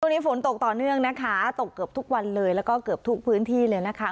วันนี้ฝนตกต่อเนื่องนะคะตกเกือบทุกวันเลยแล้วก็เกือบทุกพื้นที่เลยนะคะ